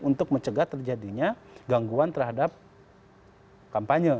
untuk mencegah terjadinya gangguan terhadap kampanye